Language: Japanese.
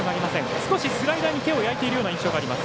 少しスライダーに手を焼いている印象があります。